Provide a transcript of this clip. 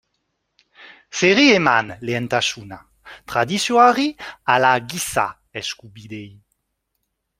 Zeri eman lehentasuna, tradizioari ala giza eskubideei?